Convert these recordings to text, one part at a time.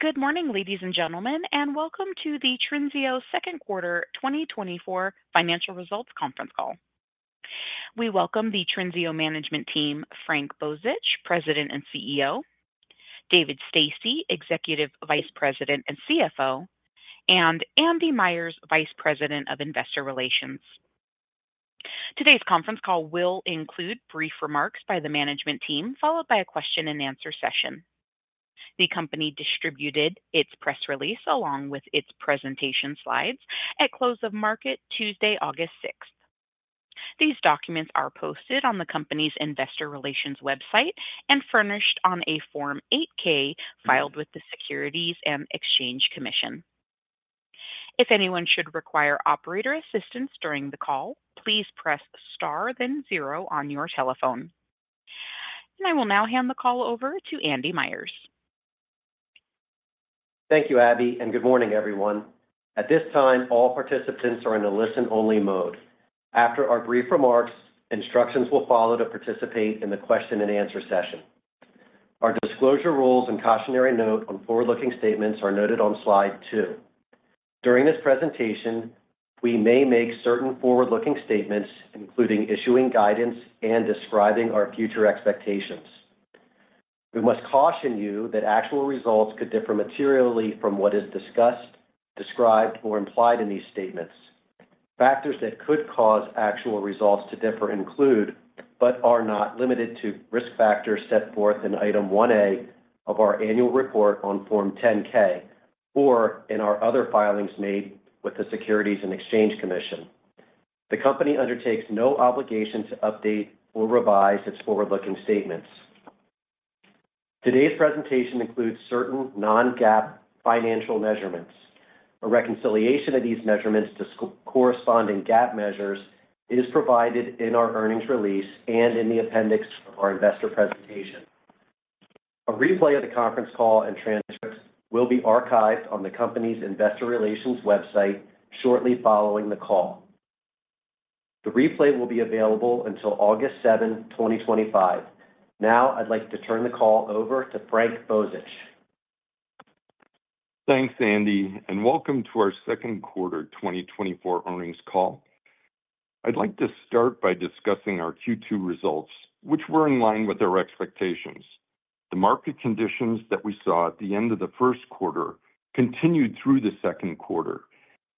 Good morning, ladies and gentlemen, and welcome to the Trinseo second quarter 2024 financial results conference call. We welcome the Trinseo Management Team, Frank Bozich, President and CEO; David Stasse, Executive Vice President and CFO; and Andy Myers, Vice President of Investor Relations. Today's conference call will include brief remarks by the management team, followed by a question-and-answer session. The company distributed its press release along with its presentation slides at close of market Tuesday, August 6th. These documents are posted on the company's investor relations website and furnished on a Form 8-K filed with the Securities and Exchange Commission. If anyone should require operator assistance during the call, please press star, then zero on your telephone. I will now hand the call over to Andy Myers. Thank you, Abby, and good morning, everyone. At this time, all participants are in a listen-only mode. After our brief remarks, instructions will follow to participate in the question-and-answer session. Our disclosure rules and cautionary note on forward-looking statements are noted on slide two. During this presentation, we may make certain forward-looking statements, including issuing guidance and describing our future expectations. We must caution you that actual results could differ materially from what is discussed, described, or implied in these statements. Factors that could cause actual results to differ include, but are not limited to, risk factors set forth in Item 1A of our annual report on Form 10-K or in our other filings made with the Securities and Exchange Commission. The company undertakes no obligation to update or revise its forward-looking statements. Today's presentation includes certain non-GAAP financial measurements. A reconciliation of these measurements to corresponding GAAP measures is provided in our earnings release and in the appendix of our investor presentation. A replay of the conference call and transcript will be archived on the company's investor relations website shortly following the call. The replay will be available until August 7, 2025. Now, I'd like to turn the call over to Frank Bozich. Thanks, Andy, and welcome to our second quarter 2024 earnings call. I'd like to start by discussing our Q2 results, which were in line with our expectations. The market conditions that we saw at the end of the first quarter continued through the second quarter,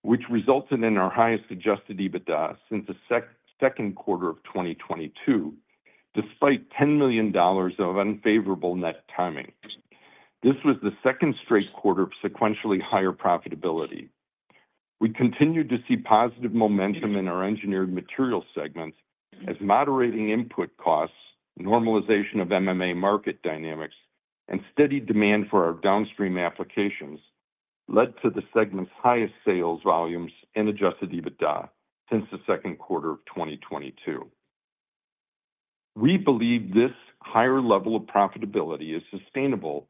which resulted in our highest Adjusted EBITDA since the second quarter of 2022, despite $10 million of unfavorable net timing. This was the second straight quarter of sequentially higher profitability. We continued to see positive momentum in our Engineered Materials segments as moderating input costs, normalization of MMA market dynamics, and steady demand for our downstream applications led to the segment's highest sales volumes and Adjusted EBITDA since the second quarter of 2022. We believe this higher level of profitability is sustainable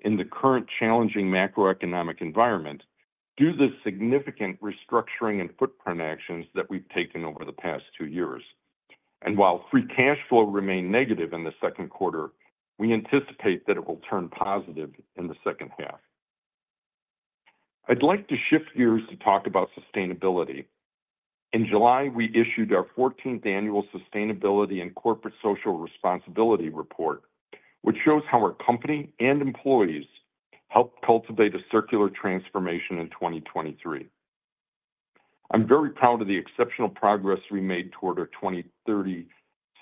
in the current challenging macroeconomic environment due to the significant restructuring and footprint actions that we've taken over the past two years. And while free cash flow remained negative in the second quarter, we anticipate that it will turn positive in the second half. I'd like to shift gears to talk about sustainability. In July, we issued our 14th annual Sustainability and Corporate Social Responsibility Report, which shows how our company and employees helped cultivate a circular transformation in 2023. I'm very proud of the exceptional progress we made toward our 2030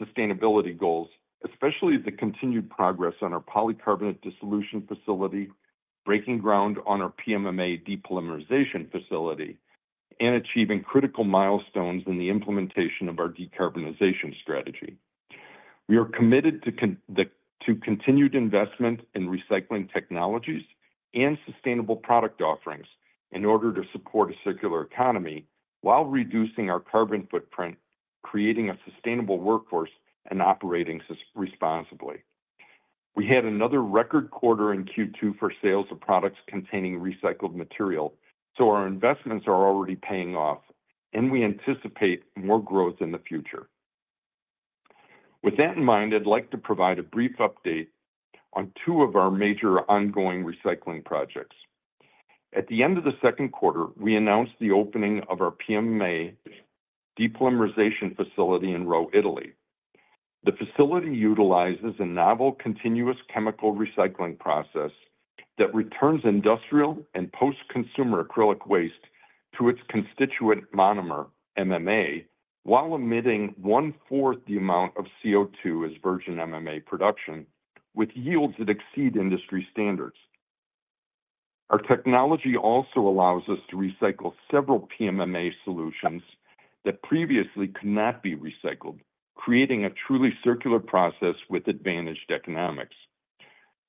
sustainability goals, especially the continued progress on our polycarbonate dissolution facility, breaking ground on our PMMA depolymerization facility, and achieving critical milestones in the implementation of our decarbonization strategy. We are committed to continued investment in recycling technologies and sustainable product offerings in order to support a circular economy while reducing our carbon footprint, creating a sustainable workforce, and operating responsibly. We had another record quarter in Q2 for sales of products containing recycled material, so our investments are already paying off, and we anticipate more growth in the future. With that in mind, I'd like to provide a brief update on two of our major ongoing recycling projects. At the end of the second quarter, we announced the opening of our PMMA depolymerization facility in Rho, Italy. The facility utilizes a novel continuous chemical recycling process that returns industrial and post-consumer acrylic waste to its constituent monomer, MMA, while emitting 1/4 the amount of CO2 as virgin MMA production, with yields that exceed industry standards. Our technology also allows us to recycle several PMMA solutions that previously could not be recycled, creating a truly circular process with advantaged economics.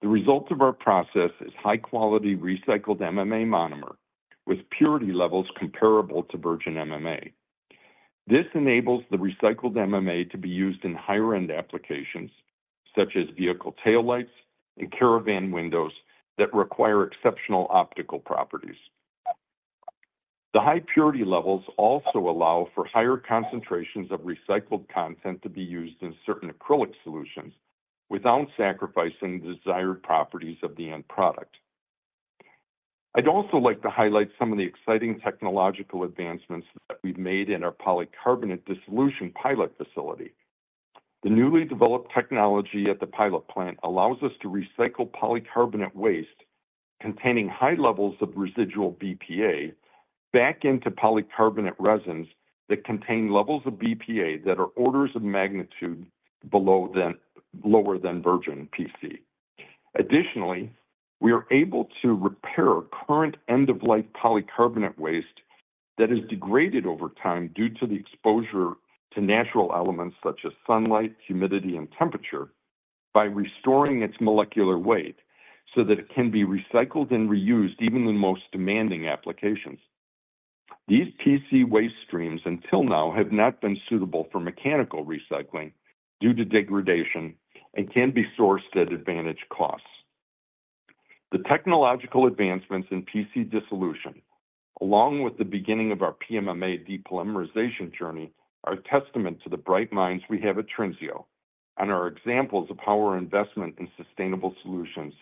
The result of our process is high-quality recycled MMA monomer with purity levels comparable to virgin MMA. This enables the recycled MMA to be used in higher-end applications such as vehicle taillights and caravan windows that require exceptional optical properties. The high purity levels also allow for higher concentrations of recycled content to be used in certain acrylic solutions without sacrificing the desired properties of the end product. I'd also like to highlight some of the exciting technological advancements that we've made in our polycarbonate dissolution pilot facility. The newly developed technology at the pilot plant allows us to recycle polycarbonate waste containing high levels of residual BPA back into polycarbonate resins that contain levels of BPA that are orders of magnitude below, lower than virgin PC. Additionally, we are able to repair current end-of-life polycarbonate waste that is degraded over time due to the exposure to natural elements such as sunlight, humidity, and temperature by restoring its molecular weight so that it can be recycled and reused even in most demanding applications. These PC waste streams until now have not been suitable for mechanical recycling due to degradation and can be sourced at advantaged costs. The technological advancements in PC dissolution, along with the beginning of our PMMA depolymerization journey, are a testament to the bright minds we have at Trinseo and our examples of how our investment in sustainable solutions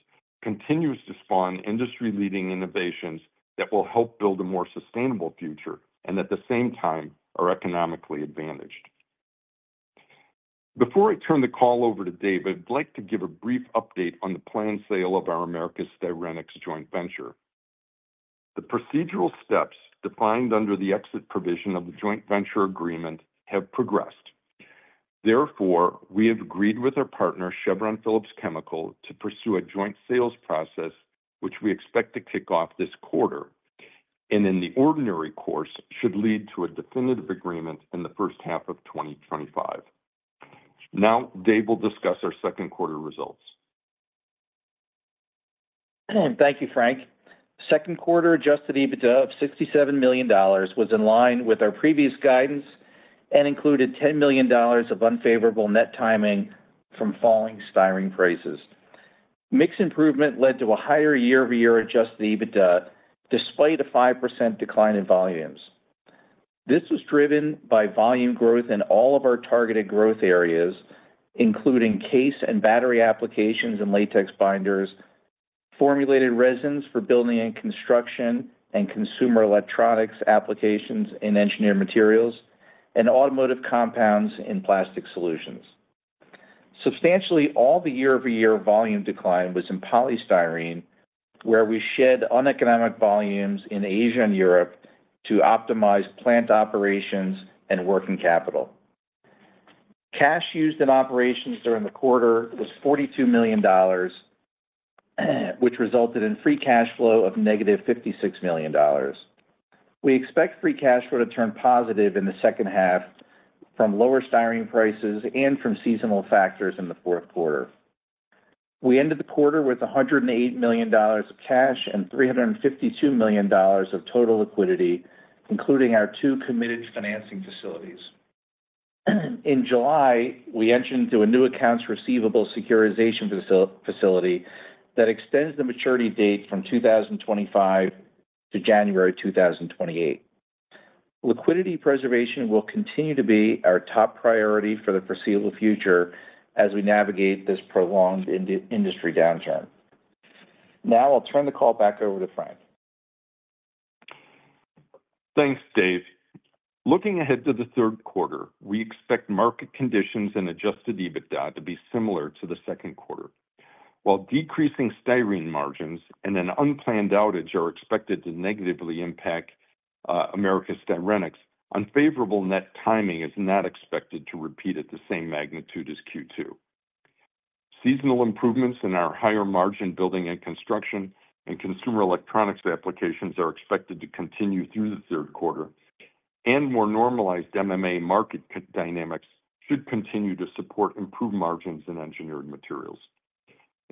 continues to spawn industry-leading innovations that will help build a more sustainable future and at the same time are economically advantaged. Before I turn the call over to David, I'd like to give a brief update on the planned sale of our Americas Styrenics joint venture. The procedural steps defined under the exit provision of the joint venture agreement have progressed. Therefore, we have agreed with our partner, Chevron Phillips Chemical, to pursue a joint sales process, which we expect to kick off this quarter and in the ordinary course should lead to a definitive agreement in the first half of 2025. Now, David will discuss our second quarter results. Thank you, Frank. Second quarter Adjusted EBITDA of $67 million was in line with our previous guidance and included $10 million of unfavorable net timing from falling Styrene prices. Mixed improvement led to a higher year-over-year Adjusted EBITDA despite a 5% decline in volumes. This was driven by volume growth in all of our targeted growth areas, including case and battery applications in Latex Binders, Formulated Resins for building and construction and consumer electronics applications in Engineered Materials, and Automotive Compounds in Plastic Solutions. Substantially all the year-over-year volume decline was in Polystyrene, where we shed uneconomic volumes in Asia and Europe to optimize plant operations and working capital. Cash used in operations during the quarter was $42 million, which resulted in free cash flow of -$56 million. We expect free cash flow to turn positive in the second half from lower styrene prices and from seasonal factors in the fourth quarter. We ended the quarter with $108 million of cash and $352 million of total liquidity, including our two committed financing facilities. In July, we entered into a new accounts receivable securitization facility that extends the maturity date from 2025 to January 2028. Liquidity preservation will continue to be our top priority for the foreseeable future as we navigate this prolonged industry downturn. Now, I'll turn the call back over to Frank. Thanks, Dave. Looking ahead to the third quarter, we expect market conditions and Adjusted EBITDA to be similar to the second quarter. While decreasing Styrene margins and an unplanned outage are expected to negatively impact Americas Styrenics, unfavorable Net timing is not expected to repeat at the same magnitude as Q2. Seasonal improvements in our higher margin building and construction and consumer electronics applications are expected to continue through the third quarter, and more normalized MMA market dynamics should continue to support improved margins in Engineered Materials.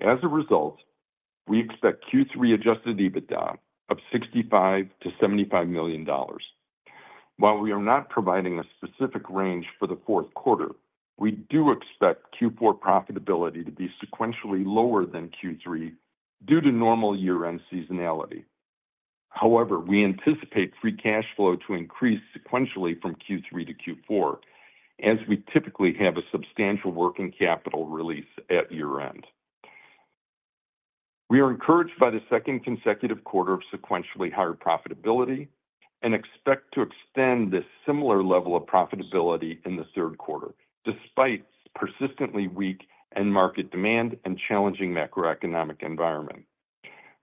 As a result, we expect Q3 Adjusted EBITDA of $65 million-$75 million. While we are not providing a specific range for the fourth quarter, we do expect Q4 profitability to be sequentially lower than Q3 due to normal year-end seasonality. However, we anticipate free cash flow to increase sequentially from Q3-Q4, as we typically have a substantial working capital release at year-end. We are encouraged by the second consecutive quarter of sequentially higher profitability and expect to extend this similar level of profitability in the third quarter, despite persistently weak end-market demand and challenging macroeconomic environment.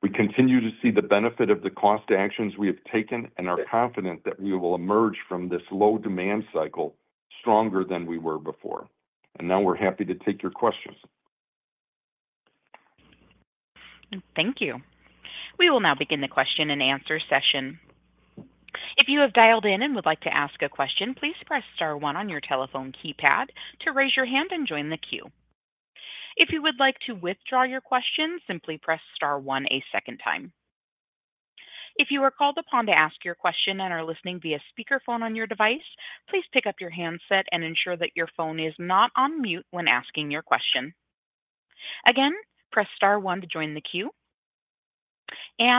We continue to see the benefit of the cost actions we have taken and are confident that we will emerge from this low demand cycle stronger than we were before. And now we're happy to take your questions. Thank you. We will now begin the question-and-answer session. If you have dialed in and would like to ask a question, please press star one on your telephone keypad to raise your hand and join the queue. If you would like to withdraw your question, simply press star one a second time. If you are called upon to ask your question and are listening via speakerphone on your device, please pick up your handset and ensure that your phone is not on mute when asking your question. Again, press star one to join the queue.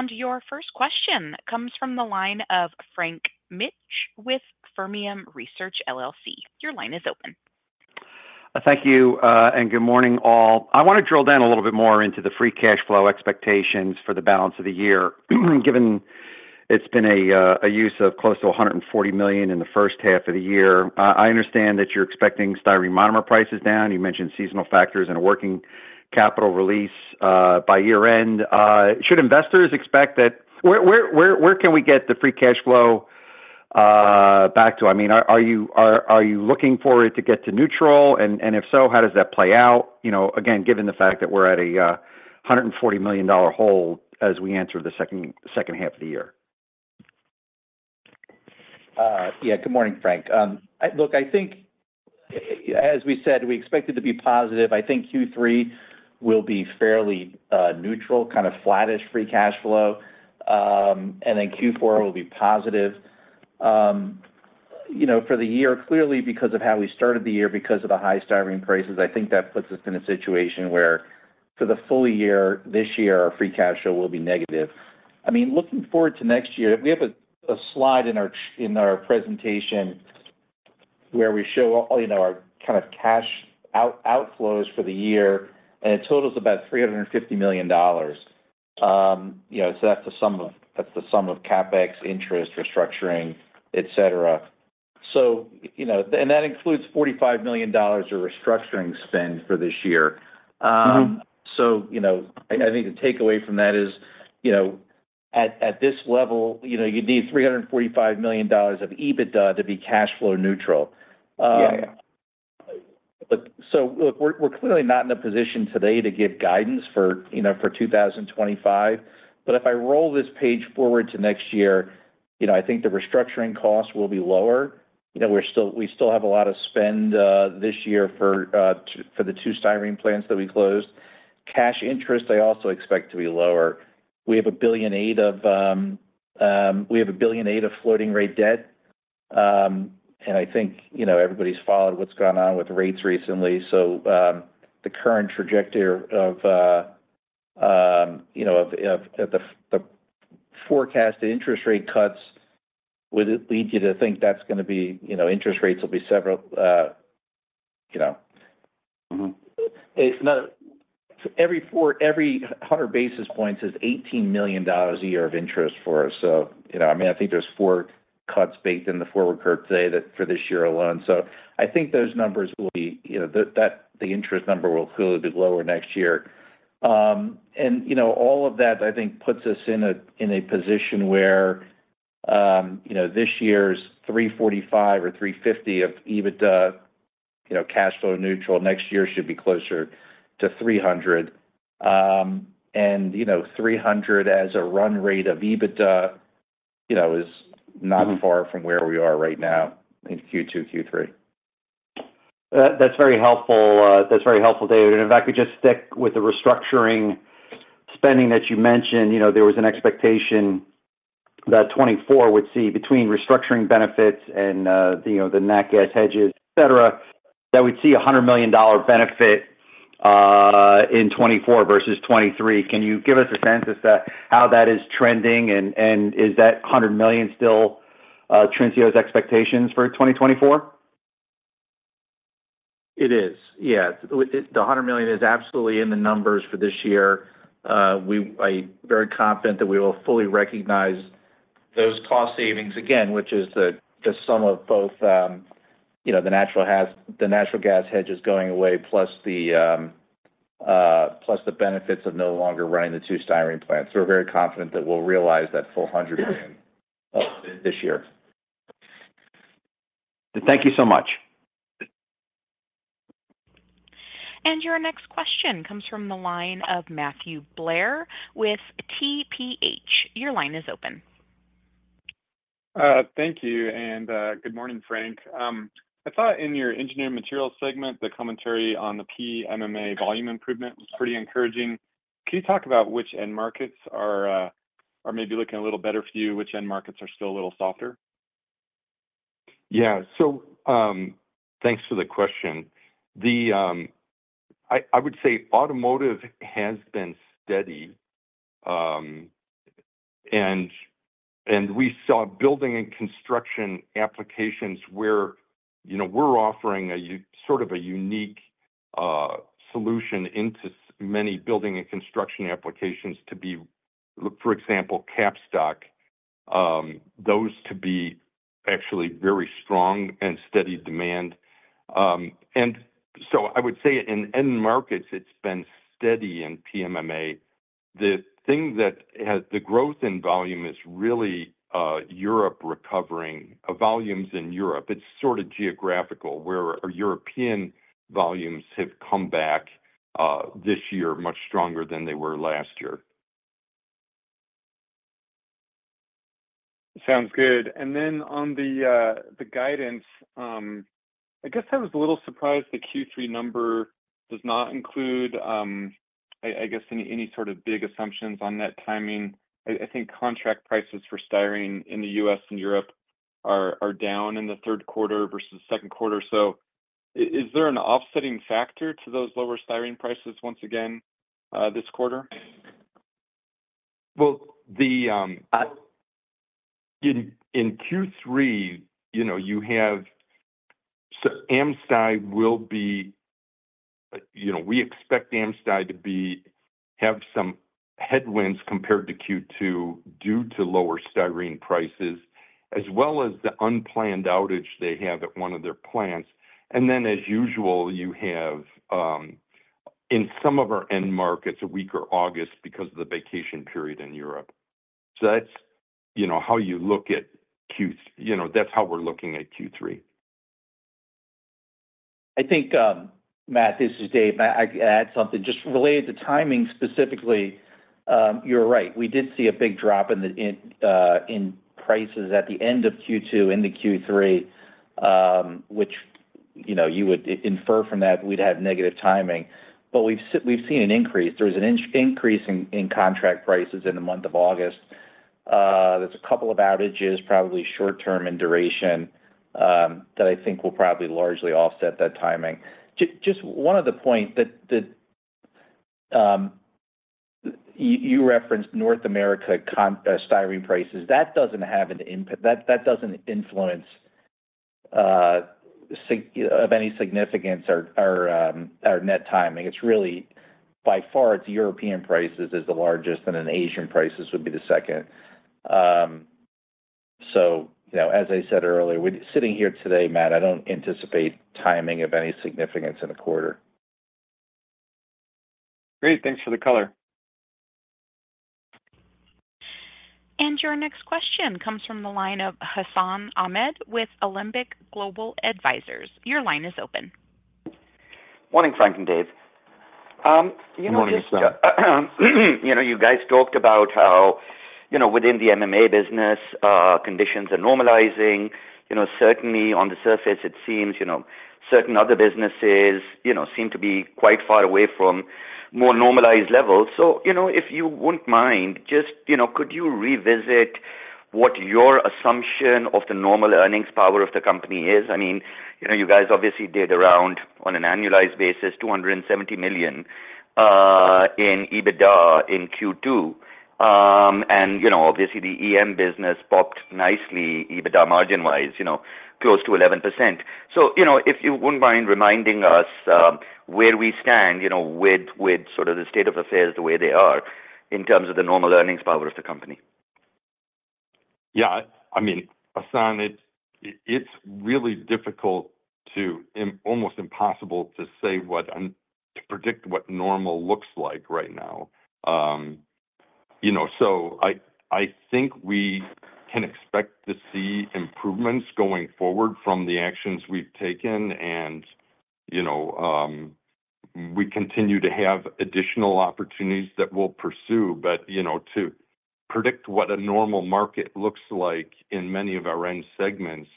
Your first question comes from the line of Frank Mitsch with Fermium Research. Your line is open. Thank you and good morning, all. I want to drill down a little bit more into the free cash flow expectations for the balance of the year. Given it's been a use of close to $140 million in the first half of the year, I understand that you're expecting styrene monomer prices down. You mentioned seasonal factors and a working capital release by year-end. Should investors expect that? Where can we get the free cash flow back to? I mean, are you looking for it to get to neutral? And if so, how does that play out? Again, given the fact that we're at a $140 million hole as we enter the second half of the year. Yeah, good morning, Frank. Look, I think, as we said, we expect it to be positive. I think Q3 will be fairly neutral, kind of flattish free cash flow, and then Q4 will be positive. For the year, clearly, because of how we started the year, because of the high styrene prices, I think that puts us in a situation where for the full year this year, our free cash flow will be negative. I mean, looking forward to next year, we have a slide in our presentation where we show our kind of cash outflows for the year, and it totals about $350 million. So that's the sum of CapEx, interest, restructuring, etc. And that includes $45 million of restructuring spend for this year. So I think the takeaway from that is at this level, you'd need $345 million of EBITDA to be cash flow neutral. So look, we're clearly not in a position today to give guidance for 2025. But if I roll this page forward to next year, I think the restructuring costs will be lower. We still have a lot of spend this year for the two styrene plants that we closed. Cash interest, I also expect to be lower. We have $1.8 billion of floating rate debt. And I think everybody's followed what's gone on with rates recently. So the current trajectory of the forecasted interest rate cuts would lead you to think that's going to be interest rates will be several? Every 100 basis points is $18 million a year of interest for us. So I mean, I think there's four cuts baked in the forward curve today for this year alone. So I think those numbers will be the interest number will clearly be lower next year. And all of that, I think, puts us in a position where this year's $345 or $350 of EBITDA cash flow neutral next year should be closer to $300. And $300 as a run rate of EBITDA is not far from where we are right now in Q2, Q3. That's very helpful. That's very helpful, David. If I could just stick with the restructuring spending that you mentioned, there was an expectation that 2024 would see between restructuring benefits and the NatGas hedges, etc., that we'd see a $100 million benefit in 2024 versus 2023. Can you give us a sense as to how that is trending? Is that $100 million still Trinseo's expectations for 2024? It is. Yeah. The $100 million is absolutely in the numbers for this year. I'm very confident that we will fully recognize those cost savings, again, which is the sum of both the natural gas hedges going away plus the benefits of no longer running the two styrene plants. We're very confident that we'll realize that full $100 million this year. Thank you so much. Your next question comes from the line of Matthew Blair with TPH. Your line is open. Thank you. Good morning, Frank. I saw in your Engineered Materials segment, the commentary on the PMMA volume improvement was pretty encouraging. Can you talk about which end markets are maybe looking a little better for you, which end markets are still a little softer? Yeah. Thanks for the question. I would say automotive has been steady. We saw building and construction applications where we're offering sort of a unique solution into many building and construction applications to be, for example, capstock, those to be actually very strong and steady demand. I would say in end markets, it's been steady in PMMA. The thing that has the growth in volume is really Europe recovering volumes in Europe. It's sort of geographical where European volumes have come back this year much stronger than they were last year. Sounds good. And then on the guidance, I guess I was a little surprised the Q3 number does not include, I guess, any sort of big assumptions on net timing. I think contract prices for styrene in the U.S. and Europe are down in the third quarter versus the second quarter. So is there an offsetting factor to those lower styrene prices once again this quarter? Well, in Q3, we expect AmSty to have some headwinds compared to Q2 due to lower styrene prices, as well as the unplanned outage they have at one of their plants. And then, as usual, you have in some of our end markets a weaker August because of the vacation period in Europe. So that's how we're looking at Q3. I think, Matt, this is Dave. I can add something just related to timing specifically. You're right. We did see a big drop in prices at the end of Q2 into Q3, which you would infer from that we'd have negative timing. But we've seen an increase. There was an increase in contract prices in the month of August. There's a couple of outages, probably short-term in duration, that I think will probably largely offset that timing. Just one other point, you referenced North America styrene prices. That doesn't have influence of any significance or net timing. It's really, by far, it's European prices is the largest, and then Asian prices would be the second. So as I said earlier, Matt, I don't anticipate timing of any significance in the quarter. Great. Thanks for the color. Your next question comes from the line of Hassan Ahmed with Alembic Global Advisors. Your line is open. Morning, Frank and Dave. Morning, Hassan. You guys talked about how within the MMA business, conditions are normalizing. Certainly, on the surface, it seems certain other businesses seem to be quite far away from more normalized levels. So if you wouldn't mind, just could you revisit what your assumption of the normal earnings power of the company is? I mean, you guys obviously did around, on an annualized basis, $270 million in EBITDA in Q2. And obviously, the EM business popped nicely, EBITDA margin-wise, close to 11%. So if you wouldn't mind reminding us where we stand with sort of the state of affairs the way they are in terms of the normal earnings power of the company? Yeah. I mean, Hassan, it's really difficult to almost impossible to predict what normal looks like right now. So I think we can expect to see improvements going forward from the actions we've taken. And we continue to have additional opportunities that we'll pursue. But to predict what a normal market looks like in many of our end segments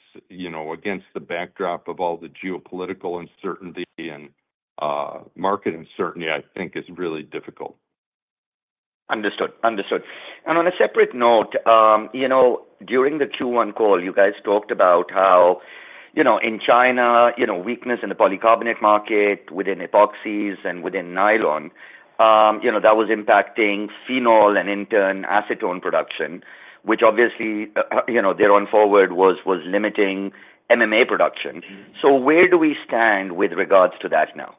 against the backdrop of all the geopolitical uncertainty and market uncertainty, I think, is really difficult. Understood. Understood. And on a separate note, during the Q1 call, you guys talked about how in China, weakness in the polycarbonate market within epoxies and within nylon, that was impacting phenol and, in turn, acetone production, which obviously, their on-forward was limiting MMA production. So where do we stand with regards to that now?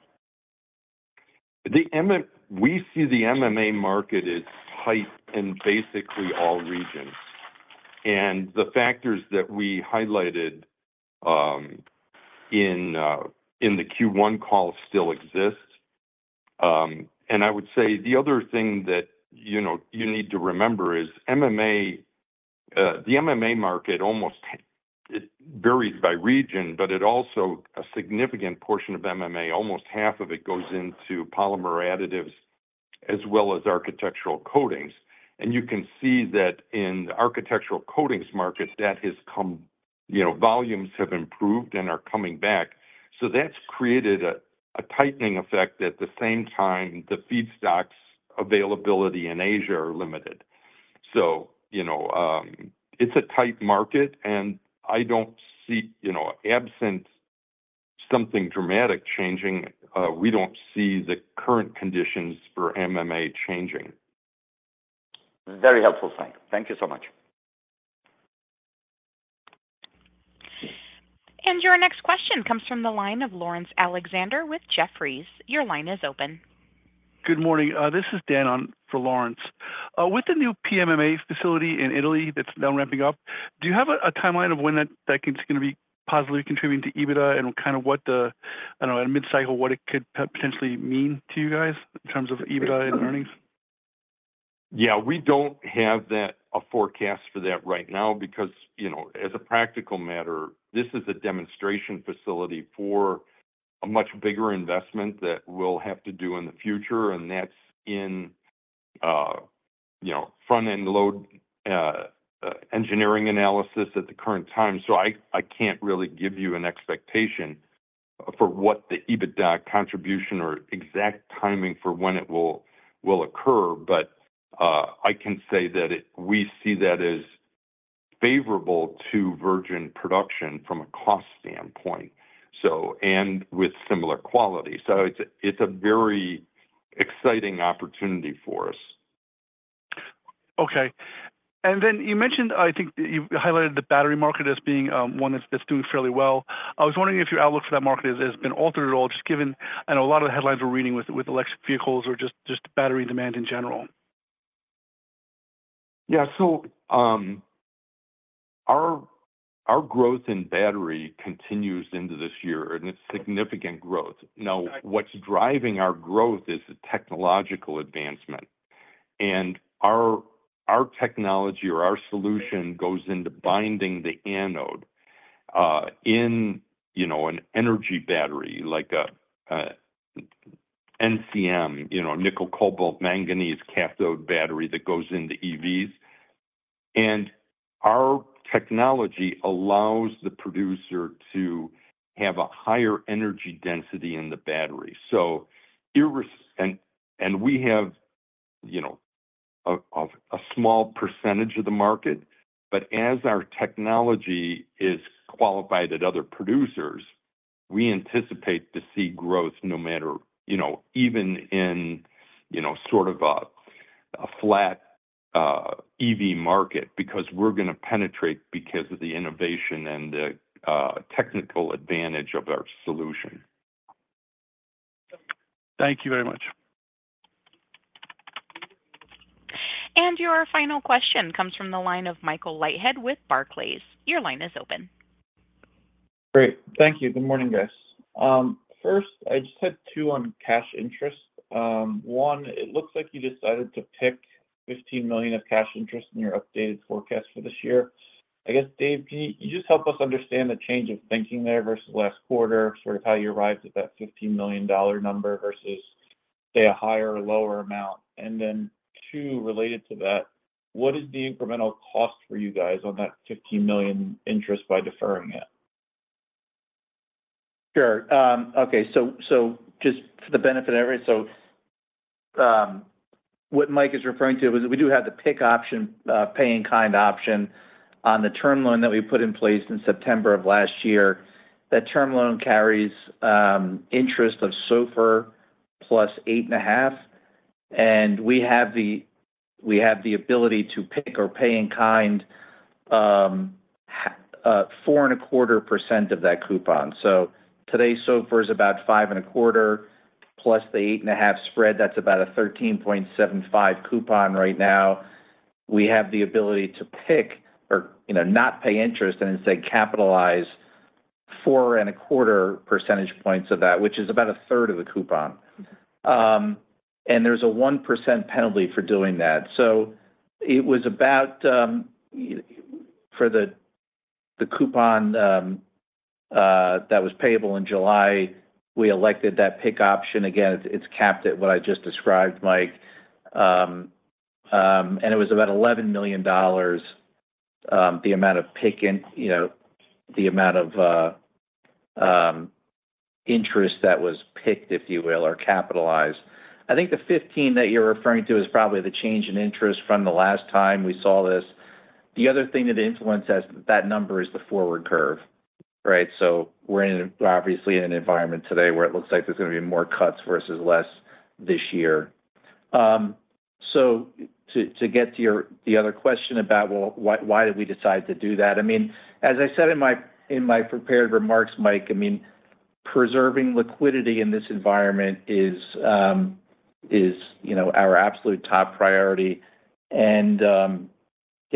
We see the MMA market is tight in basically all regions. The factors that we highlighted in the Q1 call still exist. I would say the other thing that you need to remember is MMA, the MMA market almost varies by region, but it also a significant portion of MMA, almost half of it goes into polymer additives as well as architectural coatings. You can see that in the architectural coatings market, that has come volumes have improved and are coming back. That's created a tightening effect at the same time, the feedstocks availability in Asia are limited. It's a tight market, and I don't see absent something dramatic changing, we don't see the current conditions for MMA changing. Very helpful, Frank. Thank you so much. Your next question comes from the line of Laurence Alexander with Jefferies. Your line is open. Good morning. This is Dan for Laurence. With the new PMMA facility in Italy that's now ramping up, do you have a timeline of when that's going to be positively contributing to EBITDA and kind of what the, I don't know, at mid-cycle, what it could potentially mean to you guys in terms of EBITDA and earnings? Yeah. We don't have a forecast for that right now because, as a practical matter, this is a demonstration facility for a much bigger investment that we'll have to do in the future. And that's in front-end load engineering analysis at the current time. So I can't really give you an expectation for what the EBITDA contribution or exact timing for when it will occur. But I can say that we see that as favorable to virgin production from a cost standpoint, so, and with similar quality. So it's a very exciting opportunity for us. Okay. And then you mentioned, I think you highlighted the battery market as being one that's doing fairly well. I was wondering if your outlook for that market has been altered at all, just given a lot of the headlines we're reading with electric vehicles or just battery demand in general? Yeah. So our growth in battery continues into this year, and it's significant growth. Now, what's driving our growth is the technological advancement. And our technology or our solution goes into binding the anode in an energy battery like a NCM, nickel-cobalt-manganese cathode battery that goes into EVs. And our technology allows the producer to have a higher energy density in the battery. And we have a small percentage of the market. But as our technology is qualified at other producers, we anticipate to see growth no matter even in sort of a flat EV market because we're going to penetrate because of the innovation and the technical advantage of our solution. Thank you very much. Your final question comes from the line of Michael Leithead with Barclays. Your line is open. Great. Thank you. Good morning, guys. First, I just had two on cash interest. One, it looks like you decided to pick $15 million of cash interest in your updated forecast for this year. I guess, Dave, can you just help us understand the change of thinking there versus last quarter, sort of how you arrived at that $15 million number versus, say, a higher or lower amount? And then two, related to that, what is the incremental cost for you guys on that $15 million interest by deferring it? Sure. Okay. So just for the benefit of everyone, so what Mike is referring to is we do have the pay-in-kind option on the term loan that we put in place in September of last year. That term loan carries interest of SOFR plus 8.5. And we have the ability to pay-in-kind 4.25% of that coupon. So today's SOFR is about 5.25 plus the 8.5 spread. That's about a 13.75 coupon right now. We have the ability to pay-in-kind or not pay interest and instead capitalize 4.25 percentage points of that, which is about a third of the coupon. And there's a 1% penalty for doing that. So it was about for the coupon that was payable in July, we elected that pay-in-kind option. Again, it's capped at what I just described, Mike. It was about $11 million, the amount of PIK, the amount of interest that was PIKed, if you will, or capitalized. I think the 15 that you're referring to is probably the change in interest from the last time we saw this. The other thing that influences that number is the forward curve, right? So we're obviously in an environment today where it looks like there's going to be more cuts versus less this year. So to get to your other question about, well, why did we decide to do that? I mean, as I said in my prepared remarks, Mike, I mean, preserving liquidity in this environment is our absolute top priority. And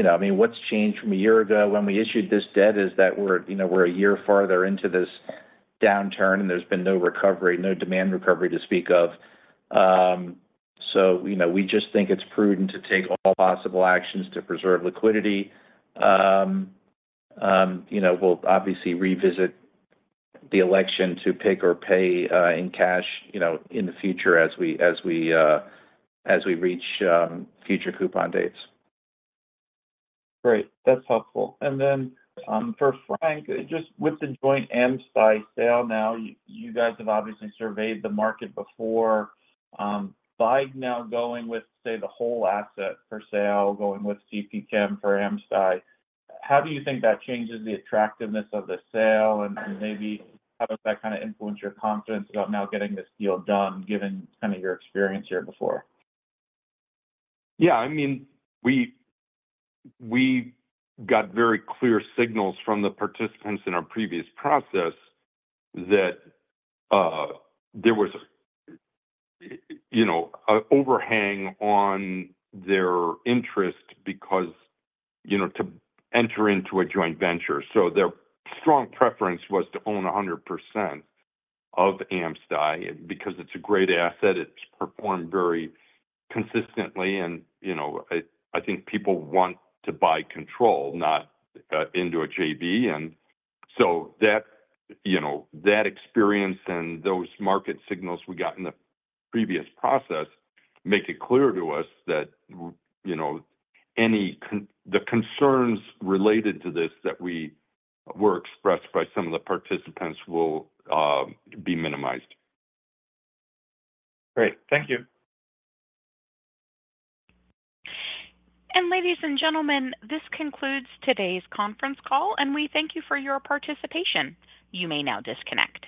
I mean, what's changed from a year ago when we issued this debt is that we're a year farther into this downturn, and there's been no recovery, no demand recovery to speak of. We just think it's prudent to take all possible actions to preserve liquidity. We'll obviously revisit the election to pick or pay in cash in the future as we reach future coupon dates. Great. That's helpful. And then for Frank, just with the joint AmSty sale now, you guys have obviously surveyed the market before. But now going with, say, the whole asset for sale, going with CP Chem for AmSty. How do you think that changes the attractiveness of the sale? And maybe how does that kind of influence your confidence about now getting this deal done, given kind of your experience here before? Yeah. I mean, we got very clear signals from the participants in our previous process that there was an overhang on their interest because to enter into a joint venture. So their strong preference was to own 100% of AmSty because it's a great asset. It's performed very consistently. And I think people want to buy control, not into a JV. And so that experience and those market signals we got in the previous process make it clear to us that the concerns related to this that were expressed by some of the participants will be minimized. Great. Thank you. Ladies and gentlemen, this concludes today's conference call, and we thank you for your participation. You may now disconnect.